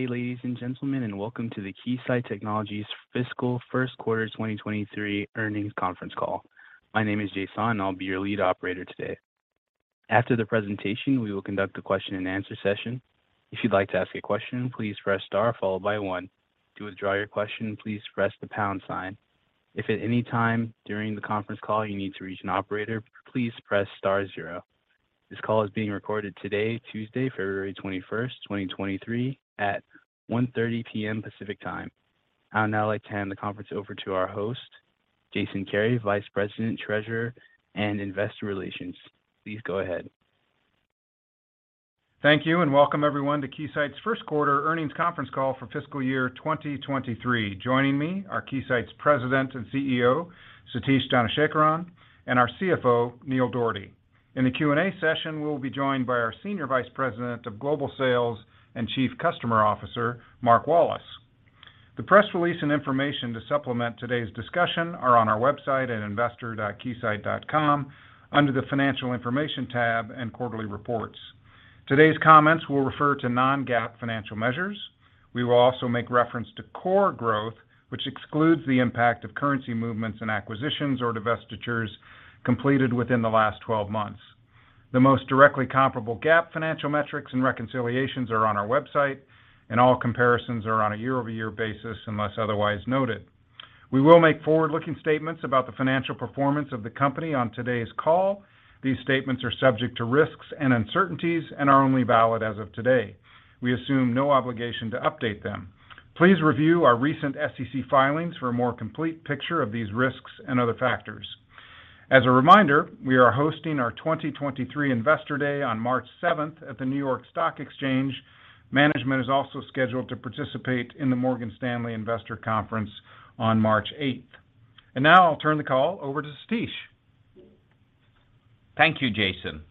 Good day, ladies and gentlemen, and welcome to the Keysight Technologies fiscal first quarter 2023 earnings conference call. My name is Jason, and I'll be your lead operator today. After the presentation, we will conduct a question-and-answer session. If you'd like to ask a question, please press star followed by one. To withdraw your question, please press the pound sign. If at any time during the conference call you need to reach an operator, please press star zero. This call is being recorded today, Tuesday, February 21st, 2023 at 1:30 P.M. Pacific Time. I would now like to hand the conference over to our host, Jason Kary, Vice President, Treasurer, and Investor Relations. Please go ahead. Thank you. Welcome everyone to Keysight's first quarter earnings conference call for fiscal year 2023. Joining me are Keysight's President and CEO, Satish Dhanasekaran, and our CFO, Neil Dougherty. In the Q&A session, we'll be joined by our Senior Vice President of Global Sales and Chief Customer Officer, Mark Wallace. The press release and information to supplement today's discussion are on our website at investor.keysight.com under the "Financial Information" tab and "Quarterly Reports." Today's comments will refer to non-GAAP financial measures. We will also make reference to core growth, which excludes the impact of currency movements and acquisitions or divestitures completed within the last 12 months. The most directly comparable GAAP financial metrics and reconciliations are on our website, and all comparisons are on a year-over-year basis unless otherwise noted. We will make forward-looking statements about the financial performance of the company on today's call. These statements are subject to risks and uncertainties and are only valid as of today. We assume no obligation to update them. Please review our recent SEC filings for a more complete picture of these risks and other factors. As a reminder, we are hosting our 2023 Investor Day on March 7th at the New York Stock Exchange. Management is also scheduled to participate in the Morgan Stanley Investor Conference on March 8th. Now I'll turn the call over to Satish. Thank you, Jason.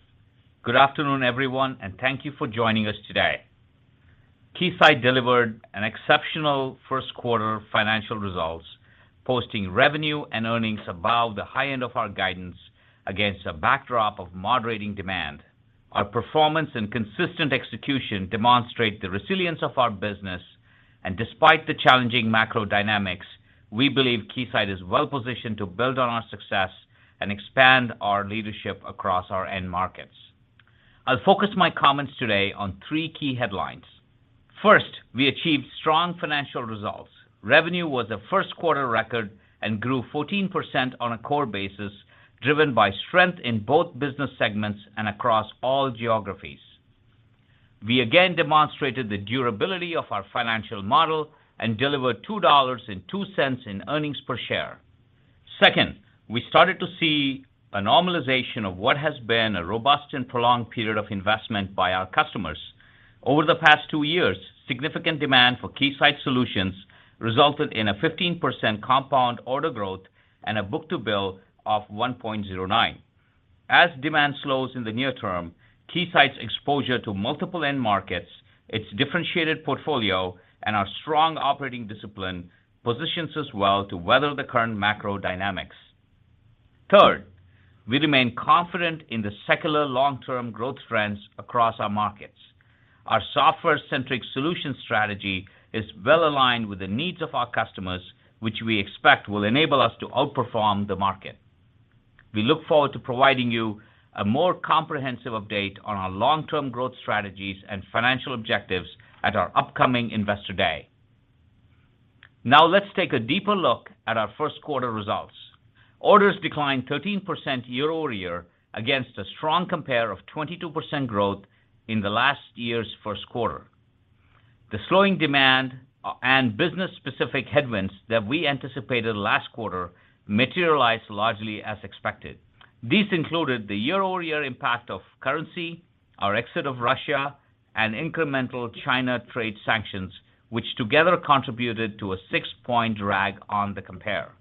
Good afternoon, everyone, thank you for joining us today. Keysight delivered an exceptional first quarter financial results, posting revenue and earnings above the high end of our guidance against a backdrop of moderating demand. Our performance and consistent execution demonstrate the resilience of our business. Despite the challenging macro dynamics, we believe Keysight is well-positioned to build on our success and expand our leadership across our end markets. I'll focus my comments today on three key headlines. First, we achieved strong financial results. Revenue was a first quarter record and grew 14% on a core basis, driven by strength in both business segments and across all geographies. We again demonstrated the durability of our financial model and delivered $2.02 in earnings per share. Second, we started to see a normalization of what has been a robust and prolonged period of investment by our customers. Over the past two years, significant demand for Keysight solutions resulted in a 15% compound order growth and a book-to-bill of 1.09x. As demand slows in the near term, Keysight's exposure to multiple end markets, its differentiated portfolio, and our strong operating discipline positions us well to weather the current macro dynamics. Third, we remain confident in the secular long-term growth trends across our markets. Our software-centric solution strategy is well-aligned with the needs of our customers, which we expect will enable us to outperform the market. We look forward to providing you a more comprehensive update on our long-term growth strategies and financial objectives at our upcoming Investor Day. Now let's take a deeper look at our first quarter results. Orders declined 13% year-over-year against a strong compare of 22% growth in the last year's first quarter. The slowing demand and business-specific headwinds that we anticipated last quarter materialized largely as expected. These included the year-over-year impact of currency, our exit of Russia, and incremental China trade sanctions, which together contributed to a six-point drag on the compare.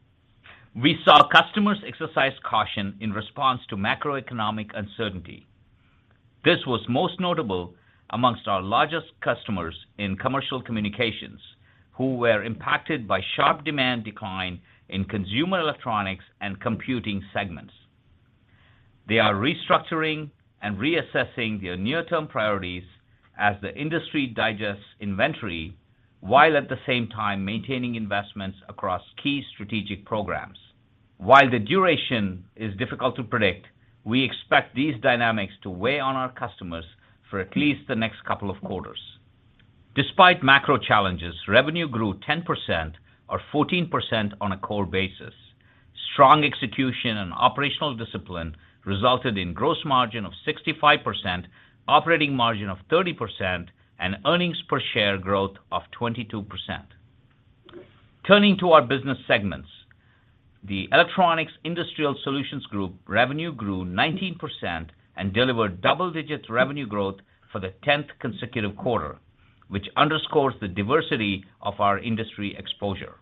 We saw customers exercise caution in response to macroeconomic uncertainty. This was most notable amongst our largest customers in Commercial Communications, who were impacted by sharp demand decline in consumer electronics and computing segments. They are restructuring and reassessing their near-term priorities as the industry digests inventory, while at the same time maintaining investments across key strategic programs. While the duration is difficult to predict, we expect these dynamics to weigh on our customers for at least the next couple of quarters. Despite macro challenges, revenue grew 10% or 14% on a core basis. Strong execution and operational discipline resulted in gross margin of 65%, operating margin of 30%, and earnings per share growth of 22%. Turning to our business segments, the Electronic Industrial Solutions Group revenue grew 19% and delivered double-digit revenue growth for the 10th consecutive quarter, which underscores the diversity of our industry exposure.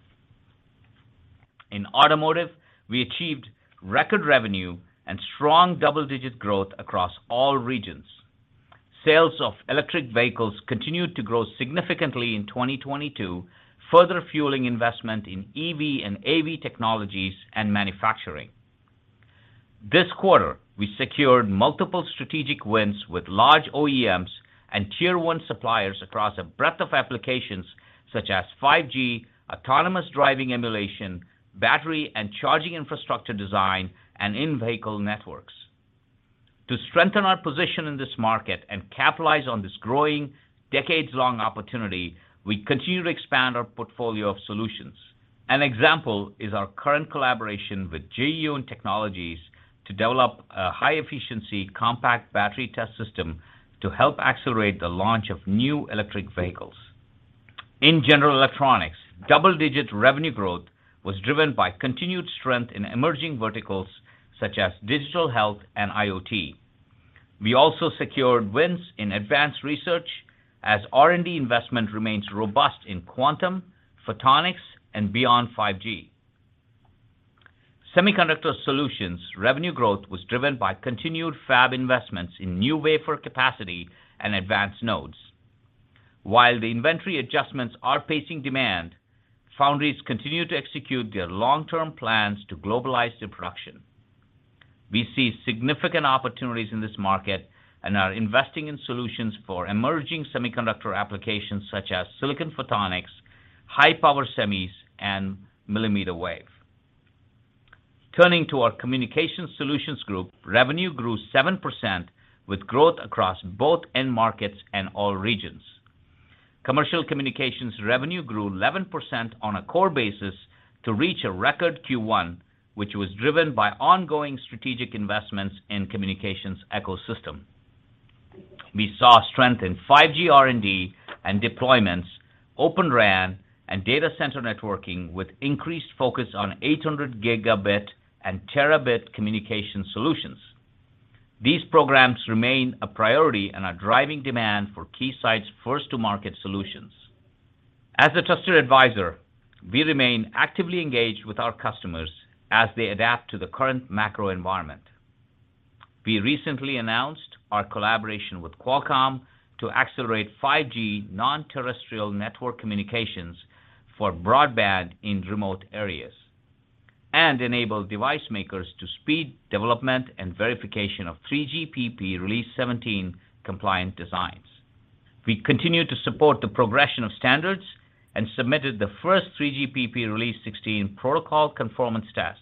In Automotive, we achieved record revenue and strong double-digit growth across all regions. Sales of electric vehicles continued to grow significantly in 2022, further fueling investment in EV and AV technologies and manufacturing. This quarter, we secured multiple strategic wins with large OEMs and tier one suppliers across a breadth of applications such as 5G, autonomous driving emulation, battery and charging infrastructure design, and in-vehicle networks. To strengthen our position in this market and capitalize on this growing decades-long opportunity, we continue to expand our portfolio of solutions. An example is our current collaboration with Jiyun Technologies to develop a high-efficiency compact battery test system to help accelerate the launch of new electric vehicles. In General Electronics, double-digit revenue growth was driven by continued strength in emerging verticals such as digital health and IoT. We also secured wins in advanced research as R&D investment remains robust in quantum, photonics, and beyond 5G. Semiconductor solutions revenue growth was driven by continued fab investments in new wafer capacity and advanced nodes. While the inventory adjustments are pacing demand, foundries continue to execute their long-term plans to globalize their production. We see significant opportunities in this market and are investing in solutions for emerging semiconductor applications such as silicon photonics, high-power semis, and millimeter wave. Turning to our Communications Solutions Group, revenue grew 7% with growth across both end markets and all regions. Commercial Communications revenue grew 11% on a core basis to reach a record Q1, which was driven by ongoing strategic investments in communications ecosystem. We saw strength in 5G R&D and deployments, Open RAN, and data center networking with increased focus on 800 Gb and terabit communication solutions. These programs remain a priority and are driving demand for Keysight's first-to-market solutions. As a trusted advisor, we remain actively engaged with our customers as they adapt to the current macro environment. We recently announced our collaboration with Qualcomm to accelerate 5G Non-Terrestrial Network communications for broadband in remote areas and enable device makers to speed development and verification of 3GPP Release 17-compliant designs. We continue to support the progression of standards and submitted the first 3GPP Release 16 protocol conformance tests,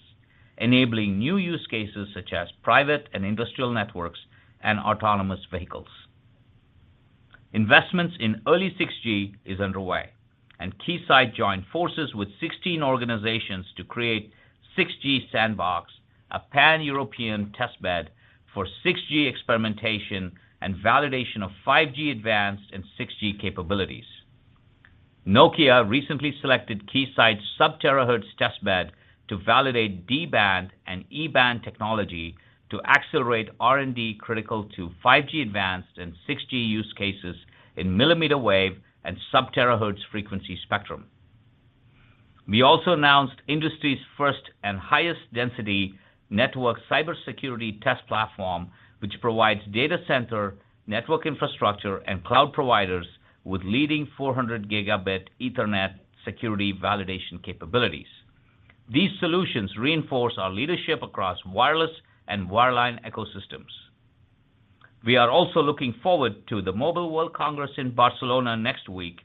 enabling new use cases such as private and industrial networks and autonomous vehicles. Keysight joined forces with 16 organizations to create 6G-SANDBOX, a pan-European testbed for 6G experimentation and validation of 5G Advanced and 6G capabilities. Nokia recently selected Keysight's sub-terahertz testbed to validate D-band and E-band technology to accelerate R&D critical to 5G Advanced and 6G use cases in millimeter wave and sub-terahertz frequency spectrum. We also announced industry's first and highest density network cybersecurity test platform, which provides data center, network infrastructure, and cloud providers with leading 400 Gb Ethernet security validation capabilities. These solutions reinforce our leadership across wireless and wireline ecosystems. We are also looking forward to the Mobile World Congress in Barcelona next week.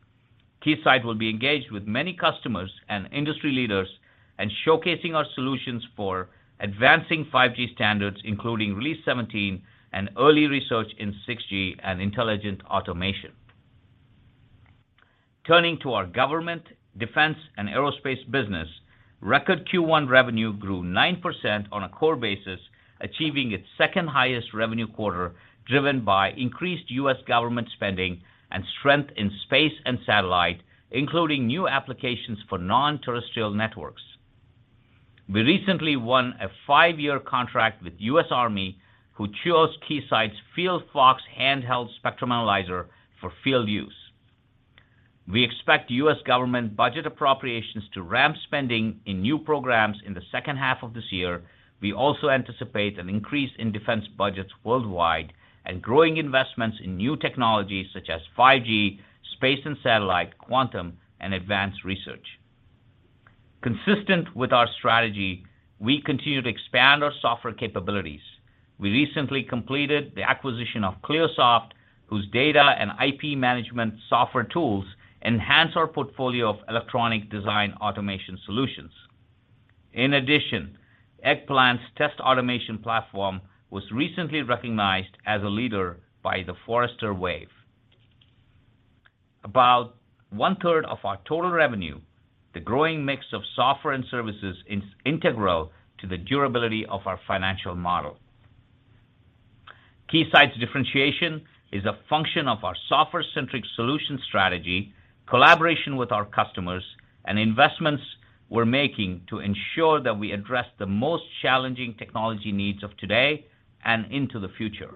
Keysight will be engaged with many customers and industry leaders and showcasing our solutions for advancing 5G standards, including Release 17 and early research in 6G and intelligent automation. Turning to our Government, Defense, and Aerospace business, record Q1 revenue grew 9% on a core basis, achieving its second-highest revenue quarter, driven by increased U.S. government spending and strength in space and satellite, including new applications for non-terrestrial networks. We recently won a 5-year contract with U.S. Army, who chose Keysight's FieldFox handheld spectrum analyzer for field use. We expect U.S. government budget appropriations to ramp spending in new programs in the second half of this year. We also anticipate an increase in defense budgets worldwide and growing investments in new technologies such as 5G, space and satellite, quantum, and advanced research. Consistent with our strategy, we continue to expand our software capabilities. We recently completed the acquisition of Cliosoft, whose data and IP management software tools enhance our portfolio of electronic design automation solutions. In addition, Eggplant's test automation platform was recently recognized as a leader by the Forrester Wave. About 1/3 of our total revenue, the growing mix of software and services is integral to the durability of our financial model. Keysight's differentiation is a function of our software-centric solution strategy, collaboration with our customers, and investments we're making to ensure that we address the most challenging technology needs of today and into the future.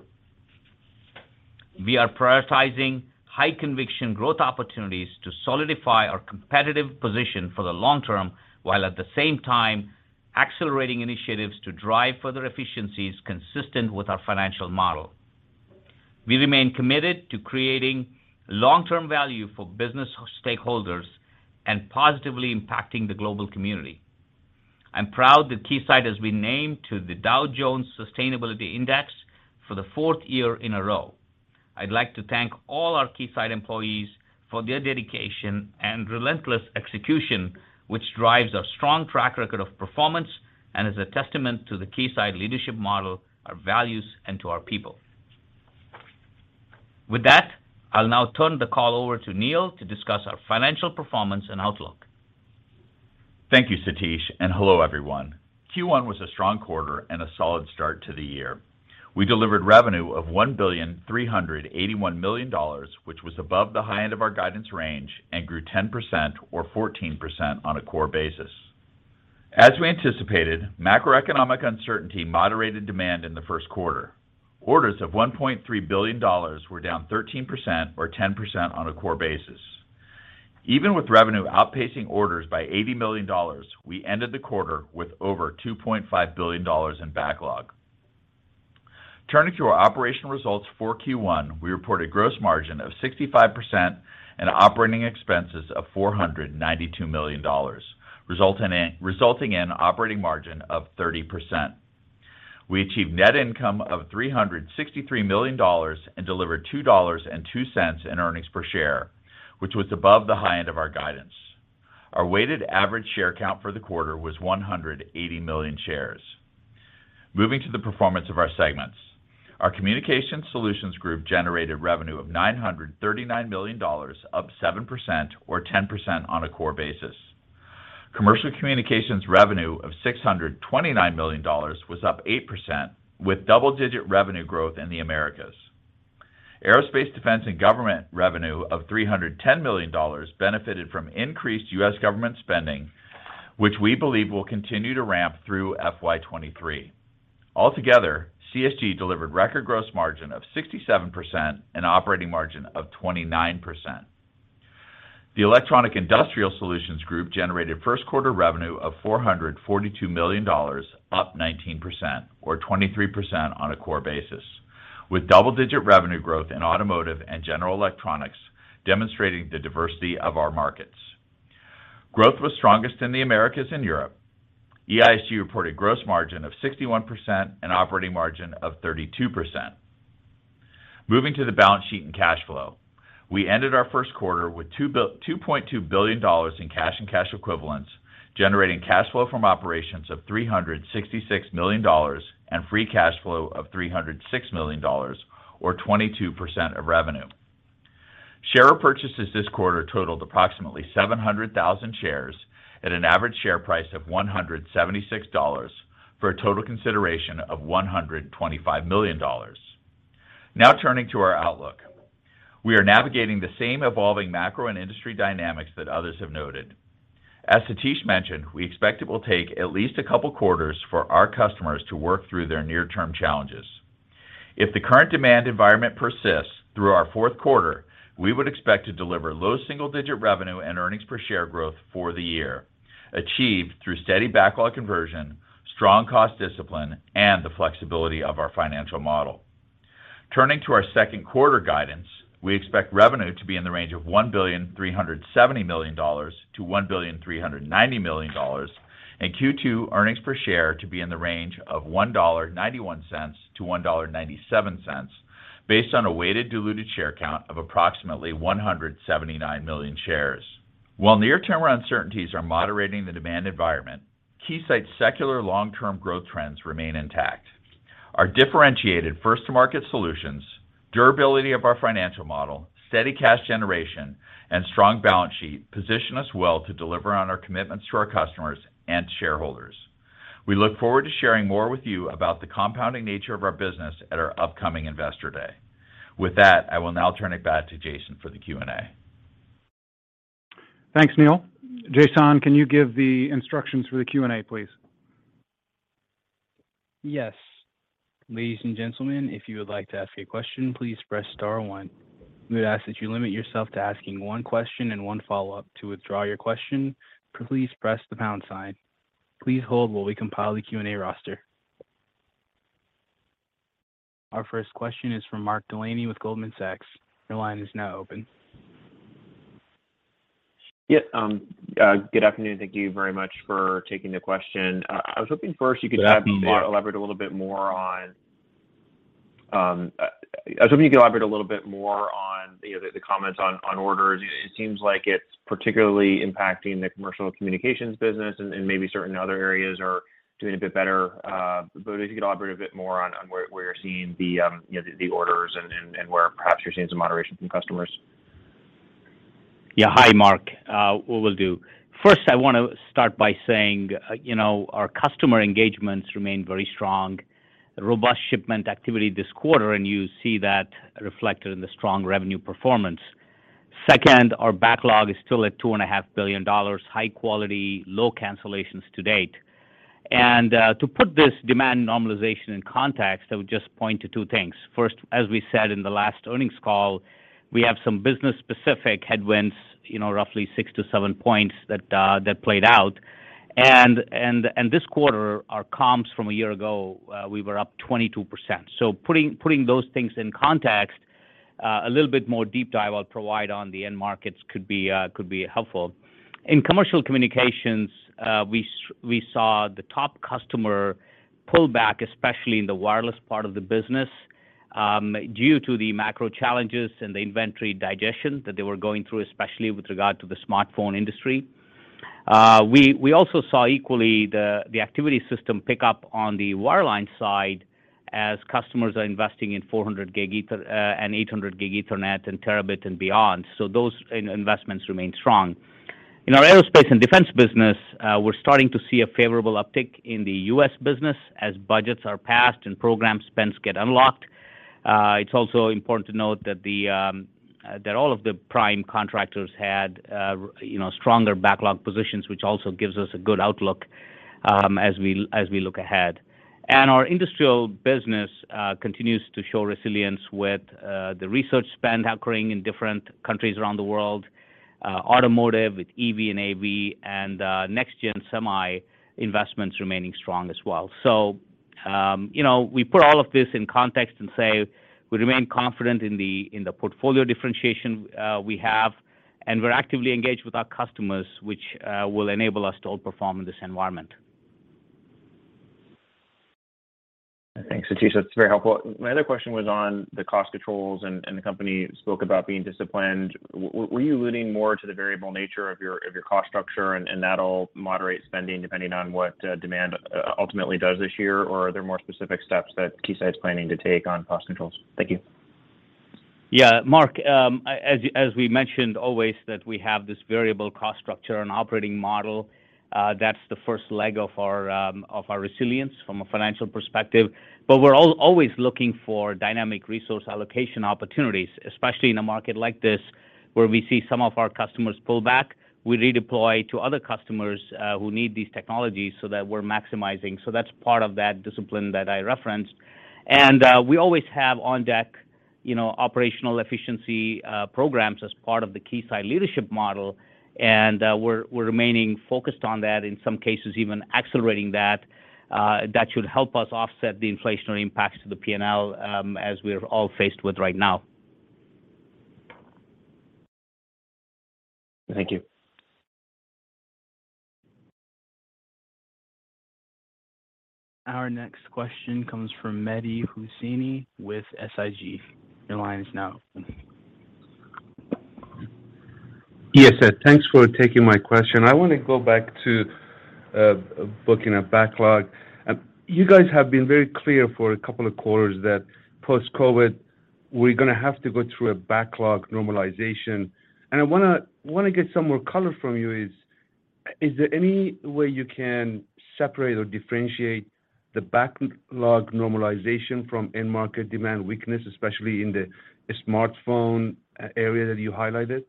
We are prioritizing high conviction growth opportunities to solidify our competitive position for the long term, while at the same time accelerating initiatives to drive further efficiencies consistent with our financial model. We remain committed to creating long-term value for business stakeholders and positively impacting the global community. I'm proud that Keysight has been named to the Dow Jones Sustainability Index for the fourth year in a row. I'd like to thank all our Keysight employees for their dedication and relentless execution, which drives our strong track record of performance and is a testament to the Keysight Leadership Model, our values, and to our people. With that, I'll now turn the call over to Neil to discuss our financial performance and outlook. Thank you, Satish. Hello, everyone. Q1 was a strong quarter and a solid start to the year. We delivered revenue of $1.381 billion, which was above the high end of our guidance range and grew 10% or 14% on a core basis. As we anticipated, macroeconomic uncertainty moderated demand in the first quarter. Orders of $1.3 billion were down 13% or 10% on a core basis. Even with revenue outpacing orders by $80 million, we ended the quarter with over $2.5 billion in backlog. Turning to our operational results for Q1, we reported gross margin of 65% and operating expenses of $492 million, resulting in operating margin of 30%. We achieved net income of $363 million and delivered $2.02 in earnings per share, which was above the high end of our guidance. Our weighted average share count for the quarter was 180 million shares. Moving to the performance of our segments. Our Communications Solutions Group generated revenue of $939 million, up 7% or 10% on a core basis. Commercial Communications revenue of $629 million was up 8%, with double-digit revenue growth in the Americas. Aerospace, Defense and Government revenue of $310 million benefited from increased U.S. government spending, which we believe will continue to ramp through FY 2023. Altogether, CSG delivered record gross margin of 67% and operating margin of 29%. The Electronic Industrial Solutions Group generated first quarter revenue of $442 million, up 19% or 23% on a core basis, with double-digit revenue growth in Automotive and General Electronics, demonstrating the diversity of our markets. Growth was strongest in the Americas and Europe. EISG reported gross margin of 61% and operating margin of 32%. Moving to the balance sheet and cash flow. We ended our first quarter with $2.2 billion in cash and cash equivalents, generating cash flow from operations of $366 million and free cash flow of $306 million or 22% of revenue. Share purchases this quarter totaled approximately 700,000 shares at an average share price of $176, for a total consideration of $125 million. Turning to our outlook. We are navigating the same evolving macro and industry dynamics that others have noted. As Satish mentioned, we expect it will take at least a couple of quarters for our customers to work through their near-term challenges. If the current demand environment persists through our fourth quarter, we would expect to deliver low single-digit revenue and earnings per share growth for the year, achieved through steady backlog conversion, strong cost discipline, and the flexibility of our financial model. Turning to our second quarter guidance, we expect revenue to be in the range of $1.37 billion-$1.39 billion, and Q2 earnings per share to be in the range of $1.91-$1.97, based on a weighted diluted share count of approximately 179 million shares. While near-term uncertainties are moderating the demand environment, Keysight's secular long-term growth trends remain intact. Our differentiated first-to-market solutions, durability of our financial model, steady cash generation, and strong balance sheet position us well to deliver on our commitments to our customers and shareholders. We look forward to sharing more with you about the compounding nature of our business at our upcoming Investor Day. With that, I will now turn it back to Jason for the Q&A. Thanks, Neil. Jason, can you give the instructions for the Q&A, please? Yes. Ladies and gentlemen, if you would like to ask a question, please press star one. We would ask that you limit yourself to asking one question and one follow-up. To withdraw your question, please press the pound sign. Please hold while we compile the Q&A roster. Our first question is from Mark Delaney with Goldman Sachs. Your line is now open. Yeah, good afternoon. Thank you very much for taking the question. I was hoping first you could— Good afternoon, Mark. I was hoping you could elaborate a little bit more on the, the comments on orders. It, it seems like it's particularly impacting the commercial communications business and maybe certain other areas are doing a bit better. If you could elaborate a bit more on where you're seeing the, you know, the orders and, and where perhaps you're seeing some moderation from customers? Yeah. Hi, Mark. We will do. First, I wanna start by saying, you know, our customer engagements remain very strong. A robust shipment activity this quarter, and you see that reflected in the strong revenue performance. Second, our backlog is still at $2.5 billion, high quality, low cancellations to date. To put this demand normalization in context, I would just point to two things. First, as we said in the last earnings call, we have some business-specific headwinds, you know, roughly 6 points to 7 points that played out. This quarter, our comps from a year ago, we were up 22%. Putting those things in context, a little bit more deep dive I'll provide on the end markets could be helpful. In Commercial Communications, we saw the top customer pull-back, especially in the wireless part of the business, due to the macro challenges and the inventory digestion that they were going through, especially with regard to the smartphone industry. We also saw equally the activity system pick up on the wireline side as customers are investing in 400 Gb Ethernet and 800 Gb Ethernet and terabit and beyond. Those investments remain strong. In our Aerospace and Defense business, we're starting to see a favorable uptick in the U.S. business as budgets are passed and program spends get unlocked. It's also important to note that all of the prime contractors had, you know, stronger backlog positions, which also gives us a good outlook as we look ahead. Our Industrial business continues to show resilience with the research spend occurring in different countries around the world, automotive with EV and AV, and next-gen semi investments remaining strong as well. You know, we put all of this in context and say we remain confident in the portfolio differentiation we have, and we're actively engaged with our customers, which will enable us to outperform in this environment. Thanks, Satish. That's very helpful. My other question was on the cost controls, and the company spoke about being disciplined. Were you alluding more to the variable nature of your cost structure and that'll moderate spending depending on what demand ultimately does this year? Or are there more specific steps that Keysight's planning to take on cost controls? Thank you. Yeah, Mark, as we mentioned, always that we have this variable cost structure and operating model. That's the first leg of our resilience from a financial perspective. We're always looking for dynamic resource allocation opportunities, especially in a market like this, where we see some of our customers pull back. We redeploy to other customers who need these technologies so that we're maximizing. That's part of that discipline that I referenced. We always have on deck, you know, operational efficiency programs as part of the Keysight Leadership Model, and we're remaining focused on that, in some cases even accelerating that. That should help us offset the inflationary impacts to the P&L as we're all faced with right now. Thank you. Our next question comes from Mehdi Hosseini with SIG. Your line is now open. Yes. Thanks for taking my question. I want to go back to booking a backlog. You guys have been very clear for a couple of quarters that post-COVID, we're gonna have to go through a backlog normalization. I wanna get some more color from you, is there any way you can separate or differentiate the backlog normalization from end market demand weakness, especially in the smartphone area that you highlighted?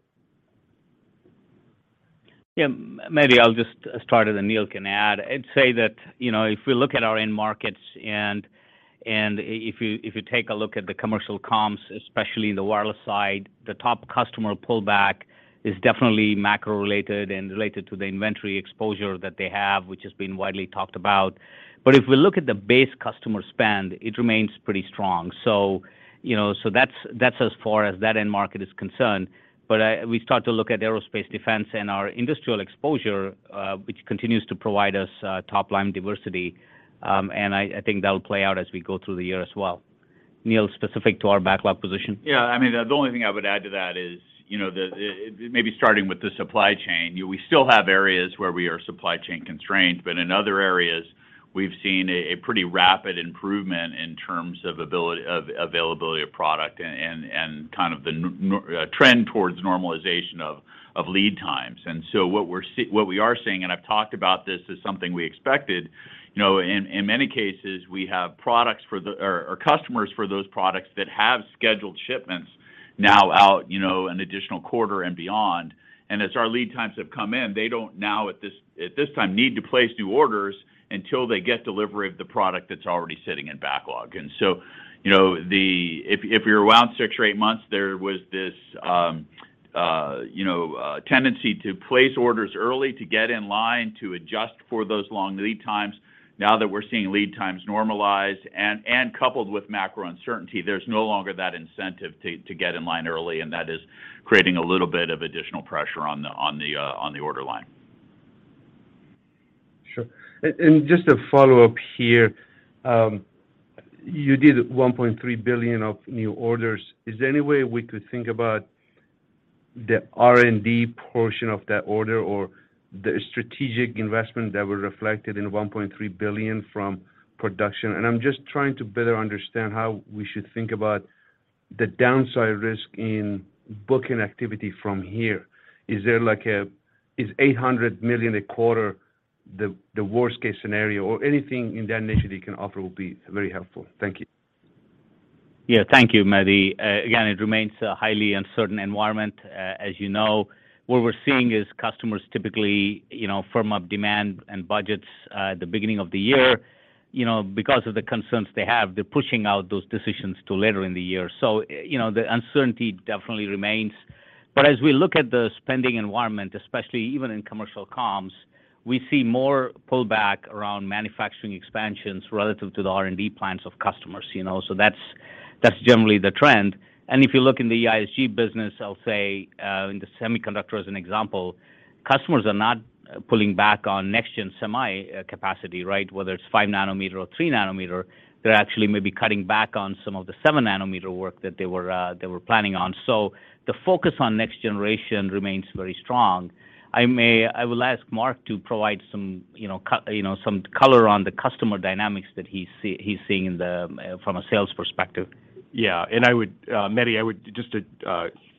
Yeah. Maybe I'll just start it, and Neil can add. I'd say that, you know, if we look at our end markets and if you take a look at the Commercial Communications, especially the wireless side, the top customer pullback is definitely macro related and related to the inventory exposure that they have, which has been widely talked about. If we look at the base customer spend, it remains pretty strong. You know, that's as far as that end market is concerned. We start to look at Aerospace and Defense and our industrial exposure, which continues to provide us top-line diversity. I think that'll play out as we go through the year as well. Neil, specific to our backlog position. Yeah. I mean, the only thing I would add to that is, you know, maybe starting with the supply chain. We still have areas where we are supply chain constrained, but in other areas we've seen a pretty rapid improvement in terms of availability of product and kind of the trend towards normalization of lead times. What we are seeing, and I've talked about this as something we expected, you know, in many cases, we have products or customers for those products that have scheduled shipments now out, you know, an additional quarter and beyond. As our lead times have come in, they don't now at this time need to place new orders until they get delivery of the product that's already sitting in backlog. You know, if you're around six or eight months, there was this, you know, tendency to place orders early to get in line to adjust for those long lead times. Now that we're seeing lead times normalize and coupled with macro uncertainty, there's no longer that incentive to get in line early, and that is creating a little bit of additional pressure on the order line. Sure. Just a follow-up here. You did $1.3 billion of new orders. Is there any way we could think about the R&D portion of that order or the strategic investment that were reflected in $1.3 billion from production? I'm just trying to better understand how we should think about the downside risk in booking activity from here. Is there like is $800 million a quarter the worst case scenario? Anything in that nature that you can offer will be very helpful. Thank you. Thank you, Mehdi. Again, it remains a highly uncertain environment. As you know, what we're seeing is customers typically, you know, firm up demand and budgets at the beginning of the year. Because of the concerns they have, they're pushing out those decisions to later in the year. The uncertainty definitely remains. As we look at the spending environment, especially even in Commercial Communications. We see more pullback around manufacturing expansions relative to the R&D plans of customers, you know. That's generally the trend. If you look in the EISG business, I'll say, in the semiconductor as an example, customers are not pulling back on next-gen semi capacity, right? Whether it's 5 nm or 3 nm, they're actually maybe cutting back on some of the 7-nm work that they were planning on. The focus on next generation remains very strong. I will ask Mark to provide some, you know, some color on the customer dynamics that he's seeing in the, from a sales perspective. Yeah. I would, Mehdi, I would just to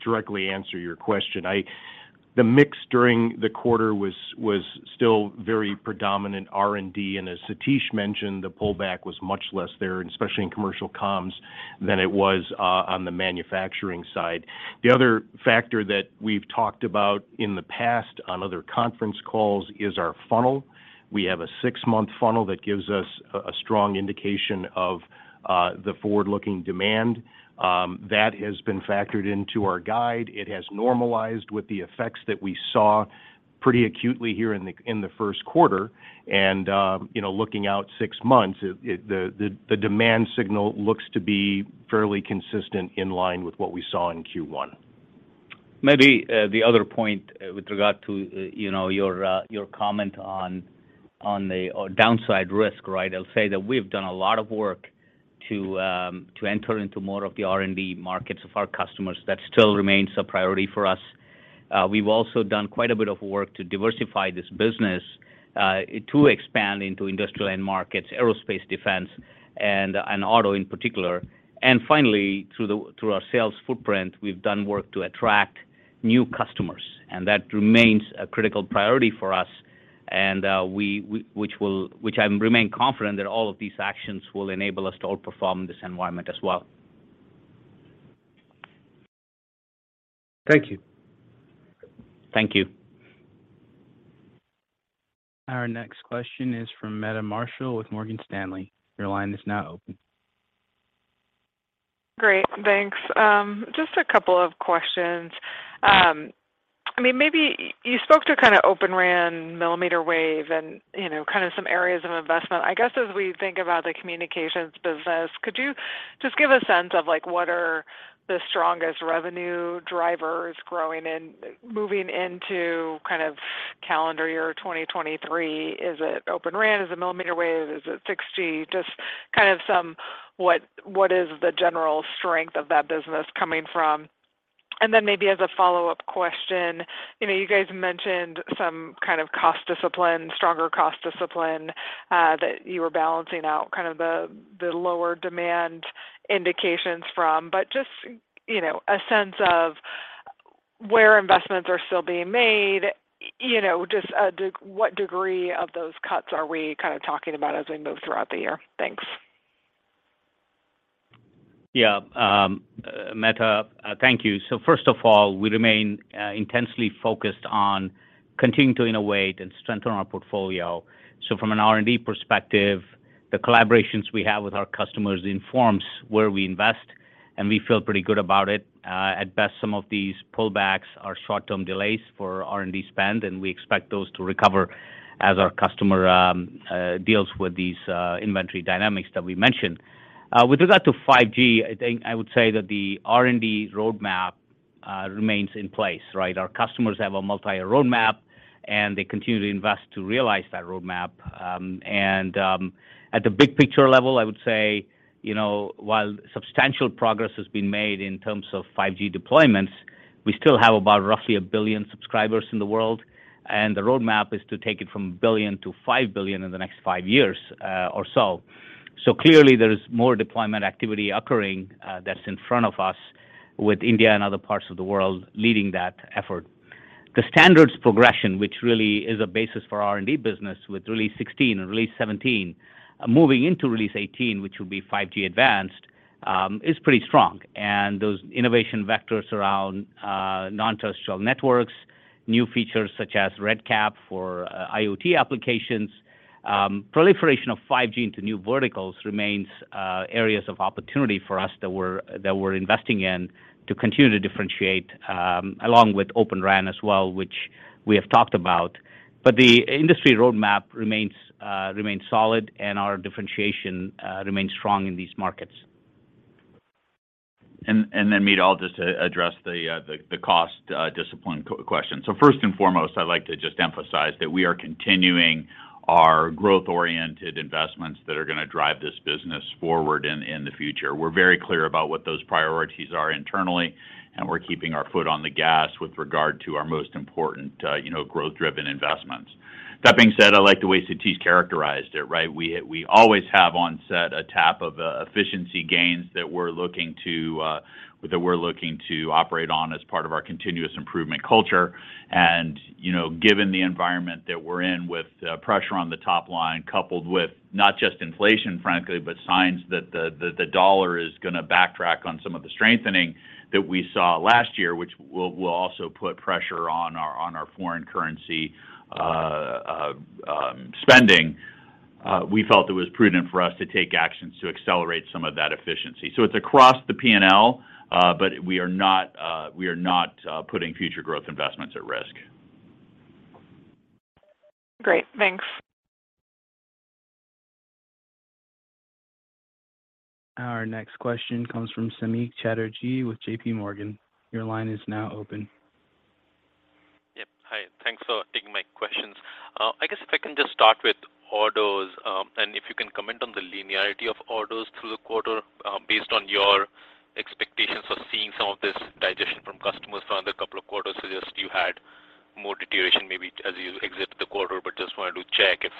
directly answer your question. The mix during the quarter was still very predominant R&D, and as Satish mentioned, the pullback was much less there, and especially in Commercial Communications than it was on the manufacturing side. The other factor that we've talked about in the past on other conference calls is our funnel. We have a six-month funnel that gives us a strong indication of the forward-looking demand that has been factored into our guide. It has normalized with the effects that we saw pretty acutely here in the first quarter. You know, looking out six months, the demand signal looks to be fairly consistent in line with what we saw in Q1. Maybe the other point with regard to, you know, your comment or downside risk, right? I'll say that we've done a lot of work to enter into more of the R&D markets of our customers. That still remains a priority for us. We've also done quite a bit of work to diversify this business to expand into industrial end markets, aerospace, defense, and auto in particular. Finally, through our sales footprint, we've done work to attract new customers, and that remains a critical priority for us. Which I remain confident that all of these actions will enable us to outperform this environment as well. Thank you. Thank you. Our next question is from Meta Marshall with Morgan Stanley. Your line is now open. Great. Thanks. Just a couple of questions. I mean, maybe you spoke to kind of Open RAN, millimeter wave and you know, kind of some areas of investment. I guess, as we think about the communications business, could you just give a sense of like, what are the strongest revenue drivers growing and moving into kind of calendar year 2023? Is it Open RAN? Is it millimeter wave? Is it 6G? Just kind of some what is the general strength of that business coming from? Maybe as a follow-up question, you know, you guys mentioned some kind of cost discipline, stronger cost discipline, that you were balancing out kind of the lower demand indications from, just, you know, a sense of where investments are still being made, you know, just, what degree of those cuts are we kind of talking about as we move throughout the year? Thanks. Meta, thank you. First of all, we remain intensely focused on continuing to innovate and strengthen our portfolio. From an R&D perspective, the collaborations we have with our customers informs where we invest, and we feel pretty good about it. At best, some of these pullbacks are short-term delays for R&D spend, and we expect those to recover as our customer deals with these inventory dynamics that we mentioned. With regard to 5G, I think I would say that the R&D roadmap remains in place, right? Our customers have a multi-year roadmap, and they continue to invest to realize that roadmap. At the big picture level, I would say, you know, while substantial progress has been made in terms of 5G deployments, we still have about roughly 1 billion subscribers in the world, the roadmap is to take it from 1 billion to 5 billion in the next 5 years or so. Clearly there is more deployment activity occurring that's in front of us with India and other parts of the world leading that effort. The standards progression, which really is a basis for our R&D business with Release 16 and Release 17, moving into Release 18, which will be 5G Advanced, is pretty strong. Those innovation vectors around non-terrestrial networks, new features such as RedCap for IoT applications, proliferation of 5G into new verticals remains areas of opportunity for us that we're investing in to continue to differentiate along with Open RAN as well, which we have talked about. The industry roadmap remains solid and our differentiation remains strong in these markets. Then Meta, I'll just address the cost discipline question. First and foremost, I'd like to just emphasize that we are continuing our growth-oriented investments that are gonna drive this business forward in the future. We're very clear about what those priorities are internally, and we're keeping our foot on the gas with regard to our most important, you know, growth-driven investments. That being said, I like the way Satish characterized it, right? We always have on set a tap of efficiency gains that we're looking to that we're looking to operate on as part of our continuous improvement culture. You know, given the environment that we're in with pressure on the top line, coupled with not just inflation, frankly, but signs that the dollar is gonna backtrack on some of the strengthening that we saw last year, which will also put pressure on our foreign currency spending, we felt it was prudent for us to take actions to accelerate some of that efficiency. It's across the P&L, but we are not putting future growth investments at risk. Great. Thanks. Our next question comes from Samik Chatterjee with JPMorgan. Your line is now open. Yep. Hi. Thanks for taking my questions. I guess if I can just start with orders, and if you can comment on the linearity of orders through the quarter, based on your expectations of seeing some of this digestion from customers from the couple of quarters suggest you had more deterioration maybe as you exit the quarter. Just wanted to check if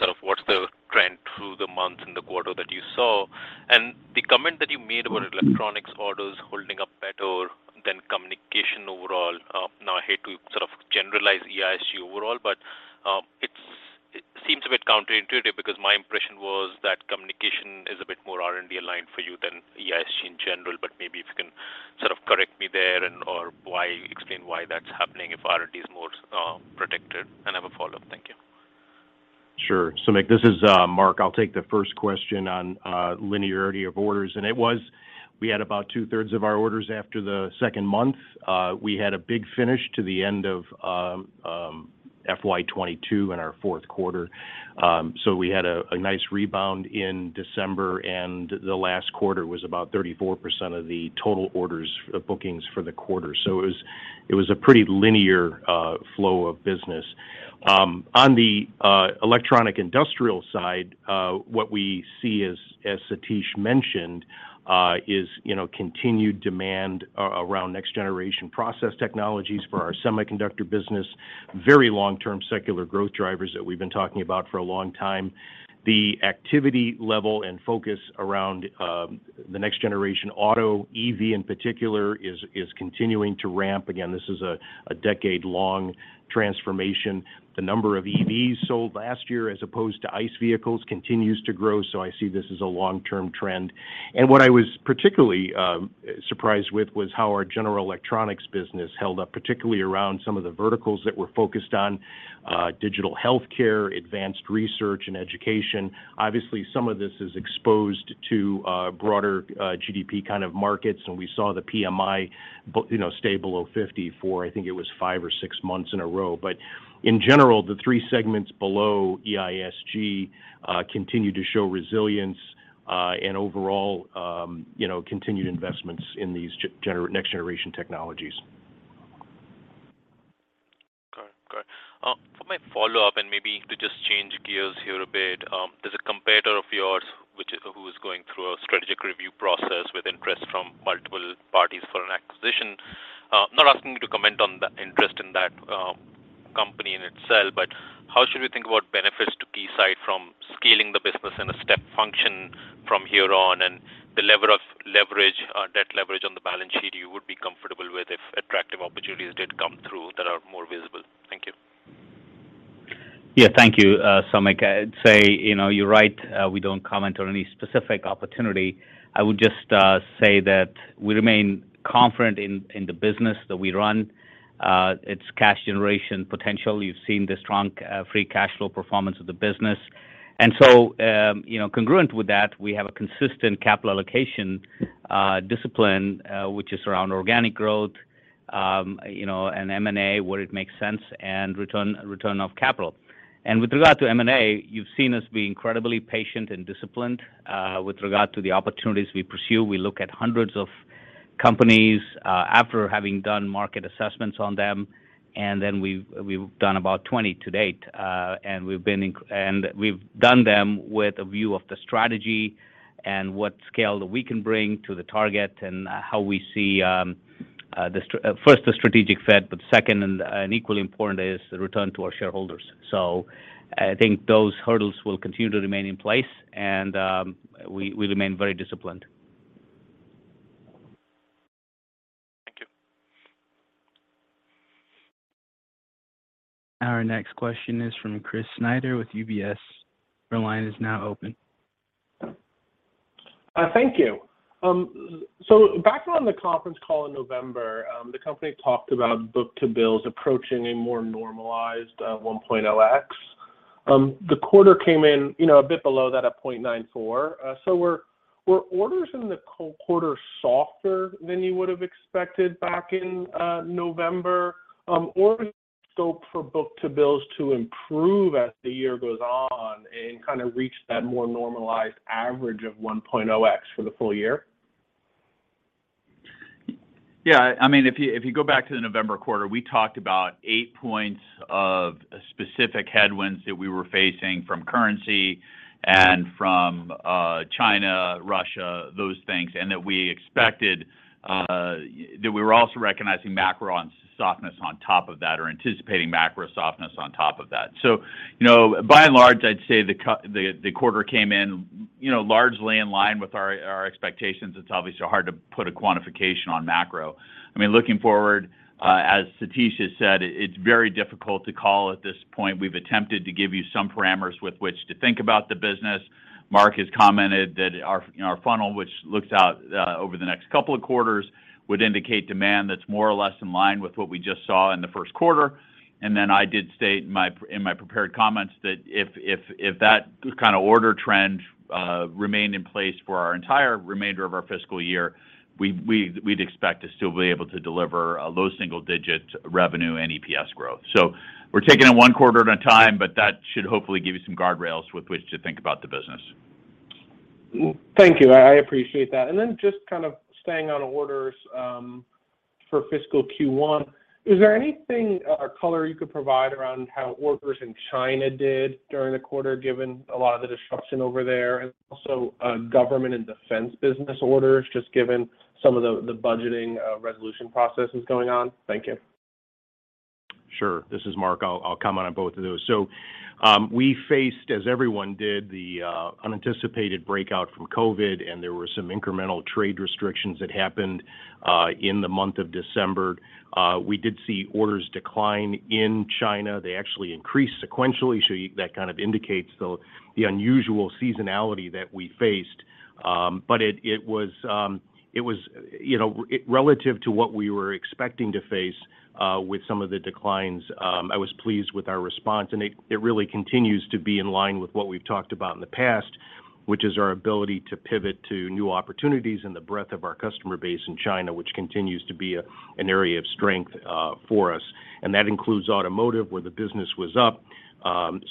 sort of what's the trend through the month and the quarter that you saw? The comment that you made about electronics orders holding up better than communication overall, now I hate to sort of generalize EISG overall, but it seems a bit counterintuitive because my impression was that communication is a bit more R&D aligned for you than EISG in general, but maybe if you can sort of correct me there and or explain why that's happening if R&D is more protected. I have a follow-up. Thank you. Sure. Samik, this is Mark. I'll take the first question on linearity of orders. We had about two-thirds of our orders after the second month. We had a big finish to the end of FY 2022 in our fourth quarter. We had a nice rebound in December, and the last quarter was about 34% of the total orders bookings for the quarter. It was a pretty linear flow of business. On the Electronic Industrial side, what we see as Satish mentioned, is, you know, continued demand around next generation process technologies for our Semiconductor business, very long-term secular growth drivers that we've been talking about for a long time. The activity level and focus around the next generation auto, EV in particular, is continuing to ramp. Again, this is a decade-long transformation. The number of EVs sold last year as opposed to ICE vehicles continues to grow, so I see this as a long-term trend. What I was particularly surprised with was how our General Electronics business held up, particularly around some of the verticals that we're focused on, digital healthcare, advanced research, and education. Obviously, some of this is exposed to broader GDP kind of markets, and we saw the PMI you know, stay below 50 for I think it was five or six months in a row. In general, the three segments below EISG continue to show resilience, and overall, you know, continued investments in these next-generation technologies. Okay. Got it. For my follow-up, and maybe to just change gears here a bit, there's a competitor of yours who is going through a strategic review process with interest from multiple parties for an acquisition. Not asking you to comment on the interest in that company in itself, but how should we think about benefits to Keysight from scaling the business in a step function from here on, and the level of leverage, debt leverage on the balance sheet you would be comfortable with if attractive opportunities did come through that are more visible? Thank you. Yeah. Thank you, Samik. I'd say, you know, you're right. We don't comment on any specific opportunity. I would just say that we remain confident in the business that we run. It's cash generation potential. You've seen the strong free cash flow performance of the business. You know, congruent with that, we have a consistent capital allocation discipline, which is around organic growth, you know, and M&A where it makes sense, and return of capital. With regard to M&A, you've seen us be incredibly patient and disciplined with regard to the opportunities we pursue. We look at hundreds of companies after having done market assessments on them, and then we've done about 20 to date. We've done them with a view of the strategy and what scale that we can bring to the target and how we see first, the strategic fit, but second and equally important is the return to our shareholders. I think those hurdles will continue to remain in place and we remain very disciplined. Thank you. Our next question is from Chris Snyder with UBS. Your line is now open. Thank you. Back on the conference call in November, the company talked about book-to-bill's approaching a more normalized 1.0x. The quarter came in, you know, a bit below that at 0.94x. Were orders in the quarter softer than you would have expected back in November? Or is there scope for book-to-bills to improve as the year goes on and kind of reach that more normalized average of 1.0x for the full year? Yeah. I mean, if you go back to the November quarter, we talked about eight points of specific headwinds that we were facing from currency and from China, Russia, those things, and that we expected that we were also recognizing macro on softness on top of that or anticipating macro softness on top of that. You know, by and large, I'd say the quarter came in, you know, largely in line with our expectations. It's obviously hard to put a quantification on macro. I mean, looking forward, as Satish has said, it's very difficult to call at this point. We've attempted to give you some parameters with which to think about the business. Mark has commented that our funnel, which looks out over the next couple of quarters, would indicate demand that's more or less in line with what we just saw in the first quarter. I did state in my prepared comments that if that kind of order trend remained in place for our entire remainder of our fiscal year, we'd expect to still be able to deliver a low single-digit revenue and EPS growth. We're taking it one quarter at a time, but that should hopefully give you some guardrails with which to think about the business. Thank you. I appreciate that. Just kind of staying on orders, for fiscal Q1, is there anything or color you could provide around how orders in China did during the quarter, given a lot of the disruption over there? Government and Defense business orders, just given some of the budgeting resolution processes going on? Thank you. This is Mark. I'll comment on both of those. We faced, as everyone did, the unanticipated breakout from COVID, and there were some incremental trade restrictions that happened in the month of December. We did see orders decline in China. They actually increased sequentially, so that kind of indicates the unusual seasonality that we faced. But it was, you know, relative to what we were expecting to face with some of the declines, I was pleased with our response. It really continues to be in line with what we've talked about in the past, which is our ability to pivot to new opportunities and the breadth of our customer base in China, which continues to be an area of strength for us. That includes Automotive, where the business was up.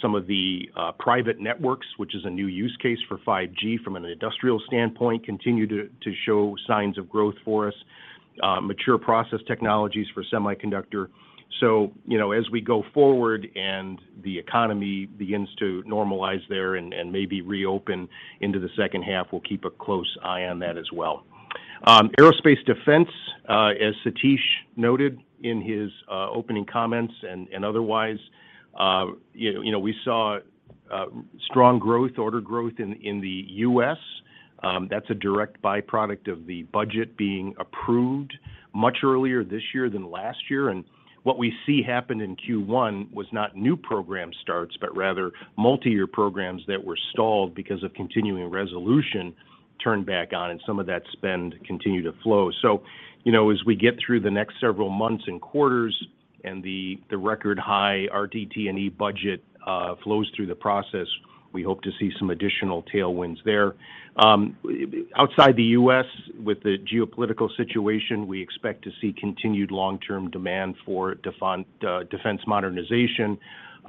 Some of the private networks, which is a new use case for 5G from an industrial standpoint, continue to show signs of growth for us. Mature process technologies for Semiconductor. You know, as we go forward and the economy begins to normalize there and maybe reopen into the second half, we'll keep a close eye on that as well. Aerospace and Defense, as Satish noted in his opening comments and otherwise, you know, we saw strong growth, order growth in the U.S. That's a direct by-product of the budget being approved much earlier this year than last year. What we see happen in Q1 was not new program starts, but rather multi-year programs that were stalled because of continuing resolution turned back on, and some of that spend continued to flow. You know, as we get through the next several months and quarters, and the record high RDT&E budget flows through the process, we hope to see some additional tailwinds there. Outside the U.S., with the geopolitical situation, we expect to see continued long-term demand for defense modernization,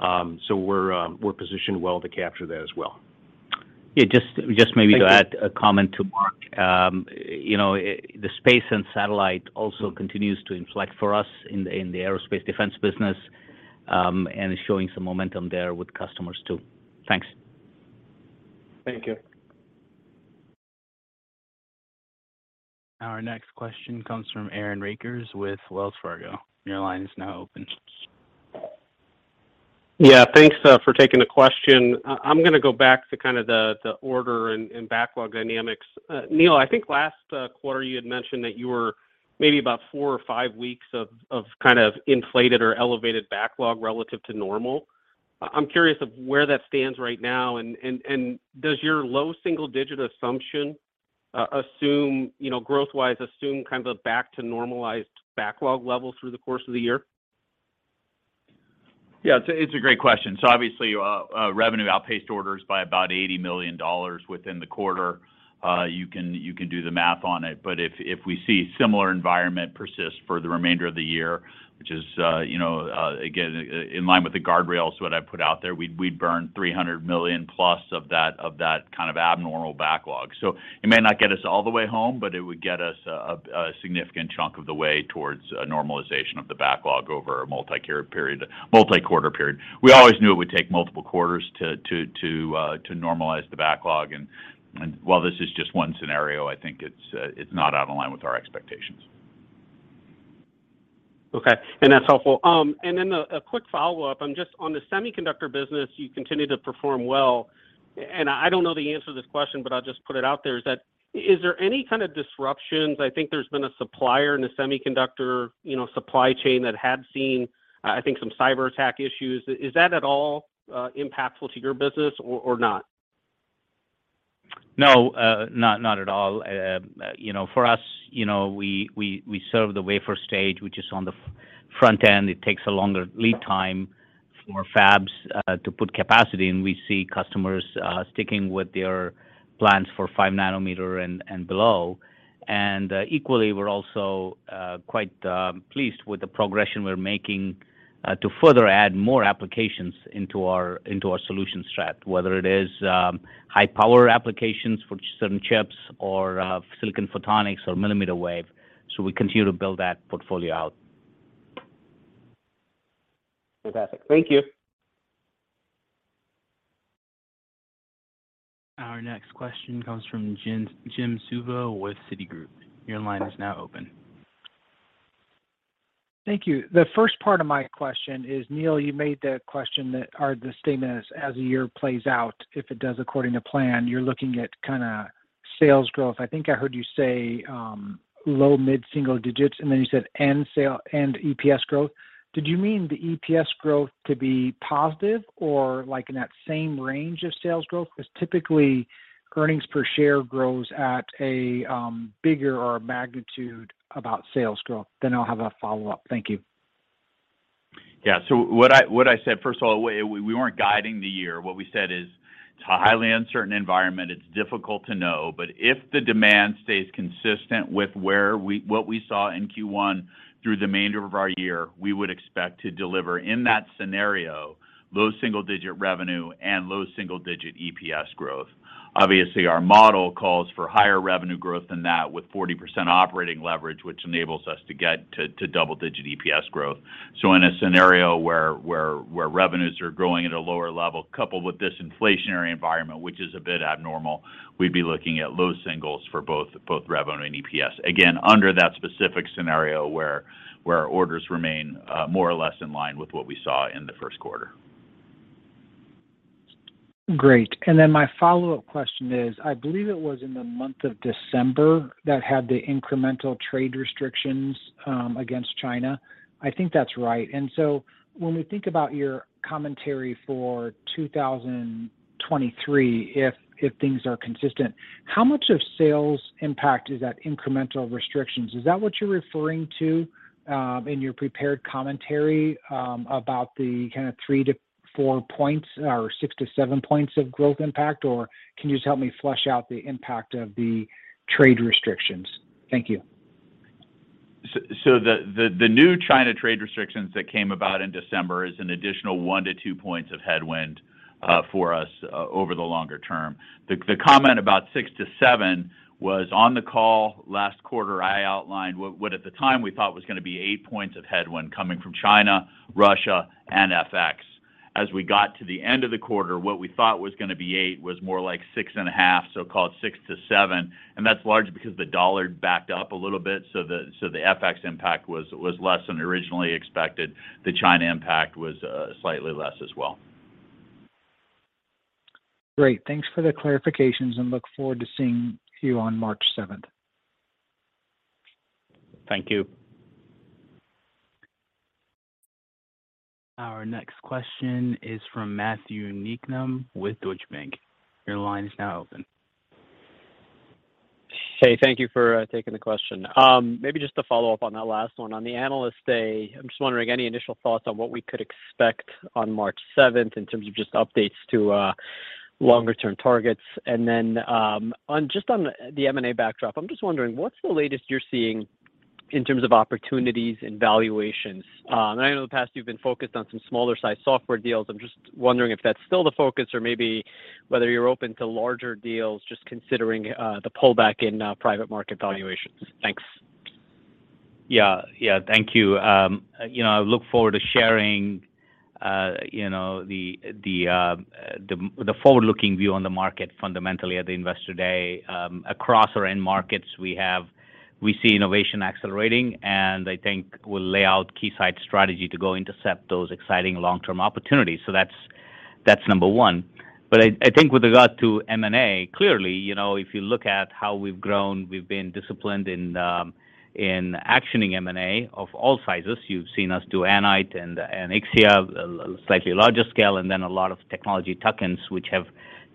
so we're positioned well to capture that as well. Yeah. Just maybe to add a comment to Mark. You know, the space and satellite also continues to inflect for us in the Aerospace and Defense business, and is showing some momentum there with customers too. Thanks. Thank you. Our next question comes from Aaron Rakers with Wells Fargo. Your line is now open. Yeah. Thanks for taking the question. I'm gonna go back to kind of the order and backlog dynamics. Neil, I think last quarter you had mentioned that you were maybe about four or five weeks of kind of inflated or elevated backlog relative to normal. I'm curious of where that stands right now. Does your low single digit assumption assume, you know, growth-wise assume kind of a back to normalized backlog level through the course of the year? Yeah. It's a great question. Obviously, revenue outpaced orders by about $80 million within the quarter. You can do the math on it. If we see similar environment persist for the remainder of the year, which is, you know, again, in line with the guardrails what I put out there, we'd burn $300+ million of that kind of abnormal backlog. It may not get us all the way home, but it would get us a significant chunk of the way towards a normalization of the backlog over a multi-care period, multi-quarter period. We always knew it would take multiple quarters to normalize the backlog. While this is just one scenario, I think it's not out of line with our expectations. Okay. That's helpful. Then a quick follow-up. Just on the Semiconductor business, you continue to perform well. I don't know the answer to this question, but I'll just put it out there. Is there any kind of disruptions? I think there's been a supplier in the semiconductor, you know, supply chain that had seen, I think some cyberattack issues. Is that at all impactful to your business or not? No. Not at all. You know, for us, you know, we serve the wafer stage, which is on the front end. It takes a longer lead time for fabs to put capacity, and we see customers sticking with their plans for 5 nm and below. Equally, we're also quite pleased with the progression we're making to further add more applications into our solution strat, whether it is high power applications for certain chips or silicon photonics or millimeter wave. We continue to build that portfolio out. Fantastic. Thank you. Our next question comes from Jim Suva with Citigroup. Your line is now open. Thank you. The first part of my question is, Neil, you made the question that are the statements as the year plays out, if it does according to plan, you're looking at kinda sales growth, I think I heard you say, low mid-single digits, and then you said and EPS growth. Did you mean the EPS growth to be positive or like in that same range of sales growth? Because typically, earnings per share grows at a, bigger or a magnitude about sales growth. I'll have a follow-up. Thank you. Yeah. What I said, first of all, we weren't guiding the year. What we said is it's a highly uncertain environment. It's difficult to know. If the demand stays consistent with what we saw in Q1 through the remainder of our year, we would expect to deliver in that scenario, low single-digit revenue and low single-digit EPS growth. Obviously, our model calls for higher revenue growth than that with 40% operating leverage, which enables us to get to double-digit EPS growth. In a scenario where revenues are growing at a lower level, coupled with this inflationary environment, which is a bit abnormal, we'd be looking at low singles for both revenue and EPS. Again, under that specific scenario where our orders remain more or less in line with what we saw in the first quarter. Great. My follow-up question is, I believe it was in the month of December that had the incremental trade restrictions against China. I think that's right. When we think about your commentary for 2023, if things are consistent, how much of sales impact is that incremental restrictions? Is that what you're referring to in your prepared commentary about the kind of 3-4 points or 6-7 points of growth impact? Can you just help me flesh out the impact of the trade restrictions? Thank you. The new China trade restrictions that came about in December is an additional 1-2 points of headwind for us over the longer term. The comment about 6-7 points was on the call last quarter. I outlined what at the time we thought was gonna be 8 points of headwind coming from China, Russia, and FX. As we got to the end of the quarter, what we thought was gonna be 8 was more like 6.5, so call it 6-7, and that's largely because the dollar backed up a little bit so the FX impact was less than originally expected. The China impact was slightly less as well. Great. Thanks for the clarifications, and look forward to seeing you on March 7th. Thank you. Our next question is from Matthew Niknam with Deutsche Bank. Your line is now open. Hey, thank you for taking the question. Maybe just to follow up on that last one. On the Analyst Day, I'm just wondering any initial thoughts on what we could expect on March 7th in terms of just updates to longer-term targets? On just on the M&A backdrop, I'm just wondering what's the latest you're seeing in terms of opportunities and valuations? I know in the past you've been focused on some smaller sized software deals. I'm just wondering if that's still the focus or maybe whether you're open to larger deals just considering the pullback in private market valuations. Thanks. Yeah. Yeah. Thank you. you know, I look forward to sharing, you know, the, the forward-looking view on the market fundamentally at the Investor Day. across our end markets, we see innovation accelerating, and I think we'll lay out Keysight's strategy to go intercept those exciting long-term opportunities. That's, that's number one. I think with regard to M&A, clearly, you know, if you look at how we've grown, we've been disciplined in actioning M&A of all sizes. You've seen us do Anite and Ixia, a slightly larger scale, and then a lot of technology tuck-ins which have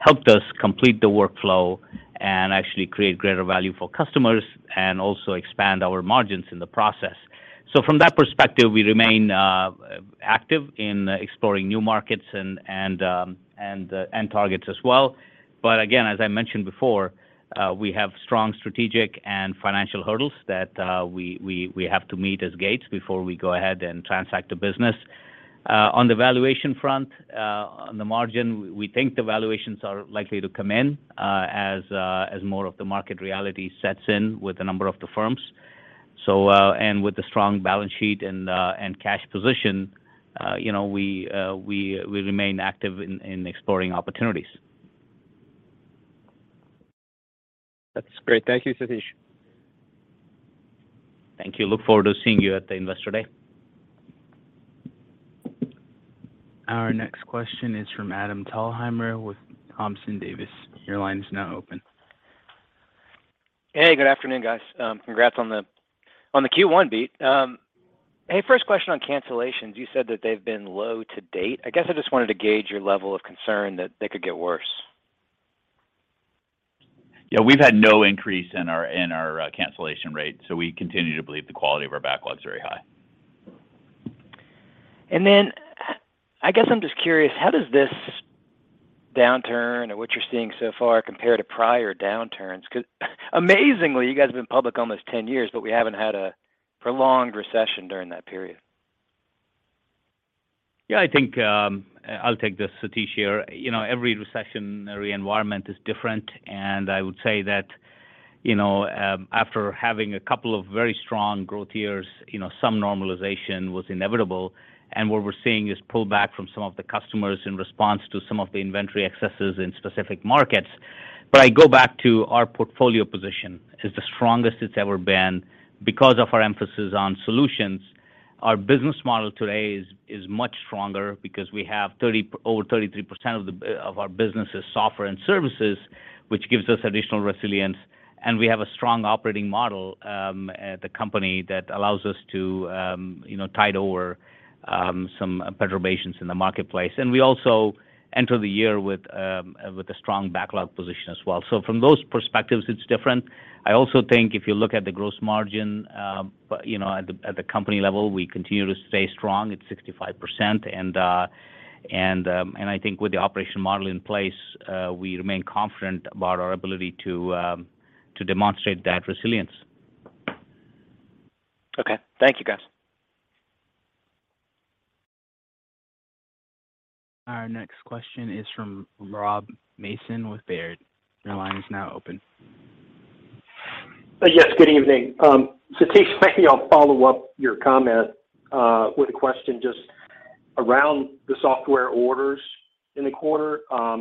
helped us complete the workflow and actually create greater value for customers and also expand our margins in the process. From that perspective, we remain active in exploring new markets and end targets as well. Again, as I mentioned before, we have strong strategic and financial hurdles that we have to meet as gates before we go ahead and transact the business. On the valuation front, on the margin, we think the valuations are likely to come in as more of the market reality sets in with a number of the firms. And with the strong balance sheet and cash position, you know, we remain active in exploring opportunities. That's great. Thank you, Satish. Thank you. Look forward to seeing you at the Investor Day. Our next question is from Adam Thalhimer with Thompson Davis. Your line is now open. Hey, good afternoon, guys. Congrats on the, on the Q1 beat. Hey, first question on cancellations. You said that they've been low to date. I guess I just wanted to gauge your level of concern that they could get worse. We've had no increase in our cancellation rate, so we continue to believe the quality of our backlog is very high. I guess I'm just curious, how does this downturn or what you're seeing so far compare to prior downturns? 'Cause amazingly, you guys have been public almost 10 years, but we haven't had a prolonged recession during that period. Yeah, I think, I'll take this, Satish, here. You know, every recessionary environment is different, and I would say that, you know, after having a couple of very strong growth years, you know, some normalization was inevitable, and what we're seeing is pullback from some of the customers in response to some of the inventory excesses in specific markets. I go back to our portfolio position is the strongest it's ever been because of our emphasis on solutions. Our business model today is much stronger because we have over 33% of the of our business is software and services, which gives us additional resilience, and we have a strong operating model at the company that allows us to, you know, tide over some perturbations in the marketplace. We also enter the year with a strong backlog position as well. From those perspectives, it's different. I also think if you look at the gross margin, but, you know, at the company level, we continue to stay strong at 65%. I think with the operation model in place, we remain confident about our ability to demonstrate that resilience. Okay. Thank you, guys. Our next question is from Rob Mason with Baird. Your line is now open. Yes, good evening. Satish, maybe I'll follow up your comment with a question just around the software orders in the quarter. I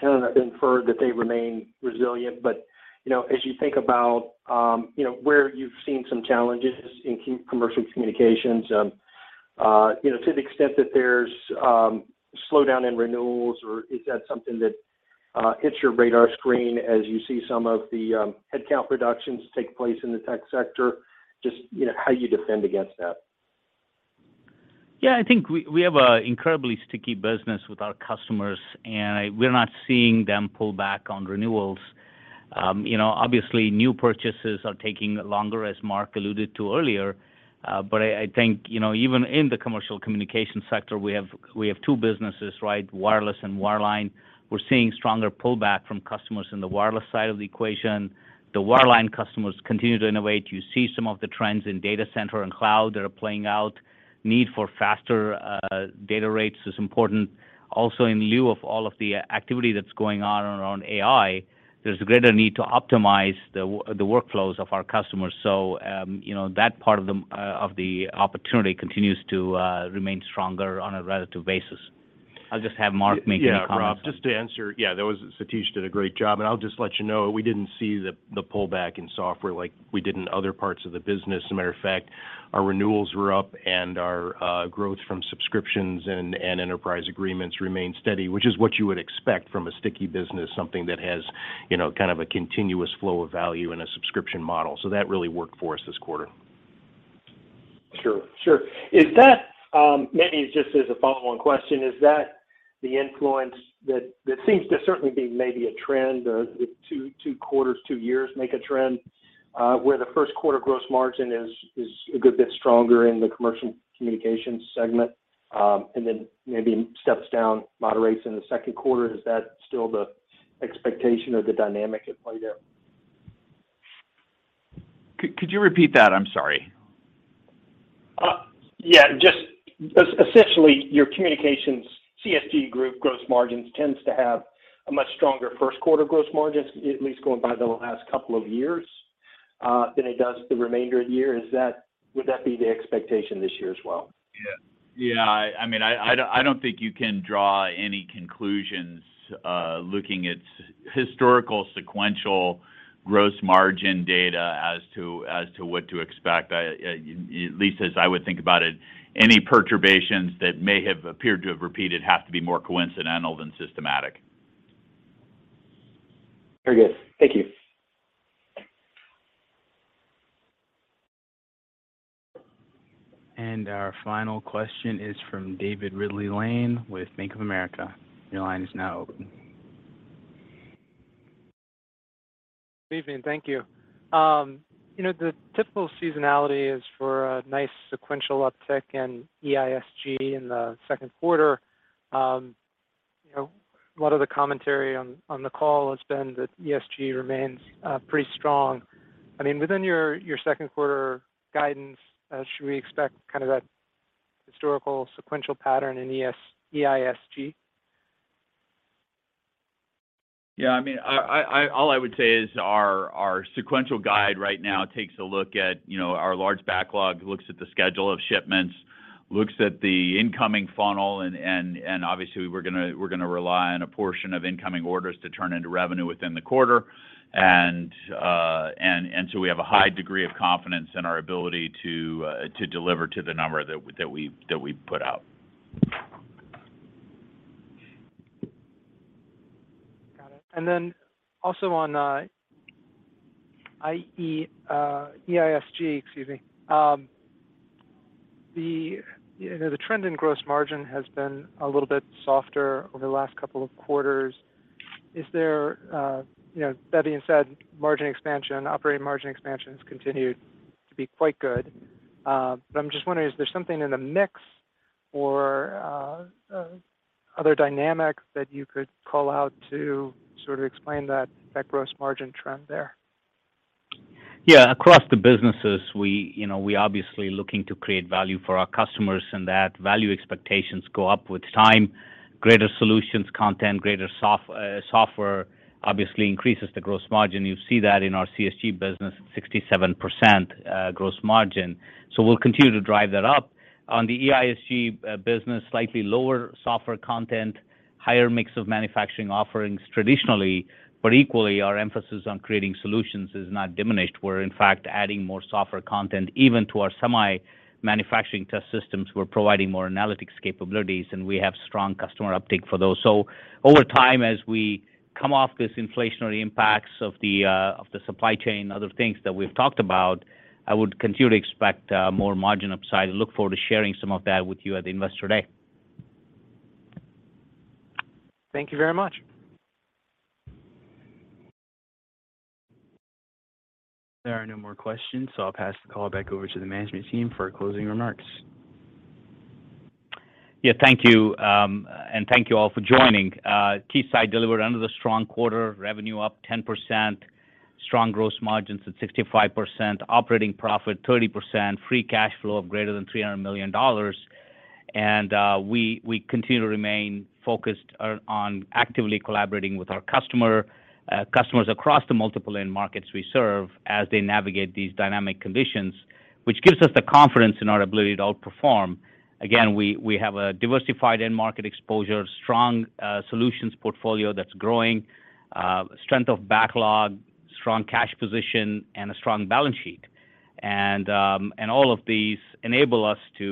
kind of inferred that they remain resilient, but, you know, as you think about, you know, where you've seen some challenges in key Commercial Communications, you know, to the extent that there's slowdown in renewals or is that something that hits your radar screen as you see some of the headcount reductions take place in the tech sector, just, you know, how you defend against that? I think we have an incredibly sticky business with our customers. We're not seeing them pull back on renewals. You know, obviously, new purchases are taking longer, as Mark alluded to earlier, I think, you know, even in the commercial communication sector, we have two businesses, right, wireless and wireline. We're seeing stronger pullback from customers in the wireless side of the equation. The wireline customers continue to innovate. You see some of the trends in data center and cloud that are playing out. Need for faster data rates is important. In lieu of all of the activity that's going on around AI, there's a greater need to optimize the workflows of our customers. You know, that part of the opportunity continues to remain stronger on a relative basis. I'll just have Mark make any comments. Rob, just to answer. Satish did a great job. I'll just let you know, we didn't see the pullback in software like we did in other parts of the business. As a matter of fact, our renewals were up and our growth from subscriptions and enterprise agreements remained steady, which is what you would expect from a sticky business, something that has, you know, kind of a continuous flow of value in a subscription model. That really worked for us this quarter. Sure. Sure. Is that, maybe just as a follow-on question, is that the influence that seems to certainly be maybe a trend or if two quarters, two years make a trend, where the first quarter gross margin is a good bit stronger in the Commercial Communications segment, and then maybe steps down, moderates in the second quarter. Is that still the expectation or the dynamic at play there? Could you repeat that? I'm sorry. Yeah, just essentially, your Communications, CSG group gross margins tends to have a much stronger first quarter gross margins, at least going by the last couple of years, than it does the remainder of the year. Would that be the expectation this year as well? Yeah. Yeah. I mean, I don't think you can draw any conclusions, looking at historical sequential gross margin data as to what to expect. I, at least as I would think about it, any perturbations that may have appeared to have repeated have to be more coincidental than systematic. Very good. Thank you. Our final question is from David Ridley-Lane with Bank of America. Your line is now open. Good evening. Thank you. You know, the typical seasonality is for a nice sequential uptick in EISG in the second quarter. You know, a lot of the commentary on the call has been that EISG remains pretty strong. I mean, within your second quarter guidance, should we expect kind of that historical sequential pattern in EISG? Yeah. I mean, all I would say is our sequential guide right now takes a look at, you know, our large backlog, looks at the schedule of shipments, looks at the incoming funnel, and obviously we're gonna rely on a portion of incoming orders to turn into revenue within the quarter. We have a high degree of confidence in our ability to deliver to the number that we put out. Got it. Then also on EISG, excuse me. The, you know, the trend in gross margin has been a little bit softer over the last couple of quarters. Is there, you know, that being said, margin expansion, operating margin expansion has continued to be quite good. I'm just wondering, is there something in the mix or other dynamics that you could call out to sort of explain that gross margin trend there? Across the businesses, we, you know, we're obviously looking to create value for our customers, and that value expectations go up with time. Greater solutions content, greater software obviously increases the gross margin. You see that in our CSG business, 67% gross margin. We'll continue to drive that up. On the EISG business, slightly lower software content, higher mix of manufacturing offerings traditionally, but equally, our emphasis on creating solutions is not diminished. We're, in fact, adding more software content even to our semi-manufacturing test systems. We're providing more analytics capabilities, and we have strong customer uptake for those. Over time, as we come off this inflationary impacts of the supply chain, other things that we've talked about, I would continue to expect more margin upside and look forward to sharing some of that with you at Investor Day. Thank you very much. There are no more questions, so I'll pass the call back over to the management team for closing remarks. Yeah. Thank you. Thank you all for joining. Keysight delivered another strong quarter, revenue up 10%, strong gross margins at 65%, operating profit 30%, free cash flow of greater than $300 million. We continue to remain focused on actively collaborating with our customers across the multiple end markets we serve as they navigate these dynamic conditions, which gives us the confidence in our ability to outperform. Again, we have a diversified end market exposure, strong solutions portfolio that's growing, strength of backlog, strong cash position, and a strong balance sheet. All of these enable us to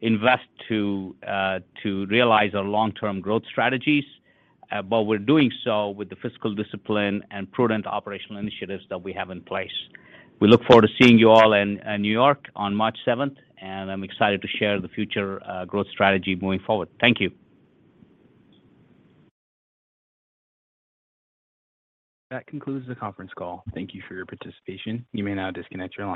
invest to realize our long-term growth strategies, but we're doing so with the fiscal discipline and prudent operational initiatives that we have in place. We look forward to seeing you all in New York on March 7th. I'm excited to share the future growth strategy moving forward. Thank you. That concludes the conference call. Thank you for your participation. You may now disconnect your line.